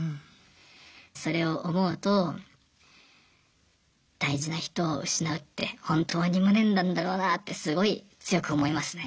それを思うと大事な人を失うって本当に無念なんだろうなってすごい強く思いますね。